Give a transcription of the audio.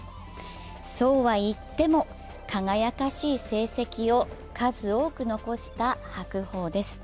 そうはいっても輝かしい成績を数多く残した白鵬です。